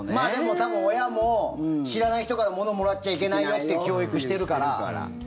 多分、親も知らない人から物をもらっちゃいけないっていう教育してるから。